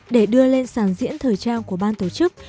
để đưa lên sàn diễn thời trang của ban tổ chức